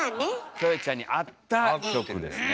キョエちゃんに合った曲ですね。